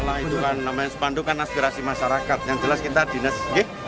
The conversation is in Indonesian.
alang itu kan namanya sepandukan aspirasi masyarakat yang jelas kita dinasih